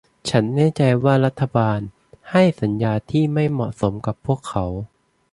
ฉันแน่ใจว่ารัฐบาลให้สัญญาที่ไม่เหมาะสมกับพวกเขา